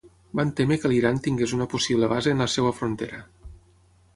Van témer que l’Iran tingués una possible base en la seva frontera.